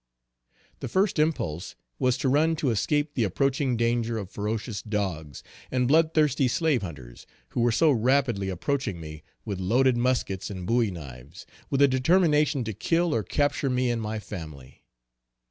The first impulse was to run to escape the approaching danger of ferocious dogs, and blood thirsty slave hunters, who were so rapidly approaching me with loaded muskets and bowie knives, with a determination to kill or capture me and my family.